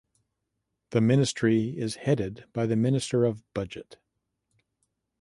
The Ministry is headed by the Minister of Budget.